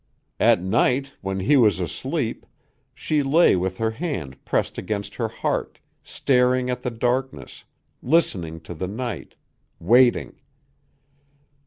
At night, when he was asleep, she lay with her hand pressed against her heart, staring at the darkness, listening to the night, waiting.